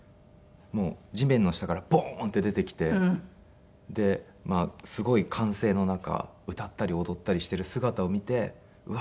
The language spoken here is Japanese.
地面の下からポーンって出てきてですごい歓声の中歌ったり踊ったりしている姿を見てうわ